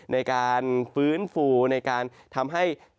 ในการฟื้นฟูในการทำให้